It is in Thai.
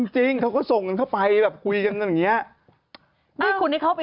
จริงเขาก็ส่งกันเข้าไปคุยกันเนอะ